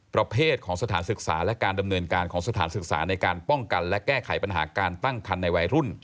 ประเภทของสถานศึกษาและการดำเนินการของสถานศึกษาในการป้องกันและแก้ไขปัญหาการตั้งคันในวัยรุ่น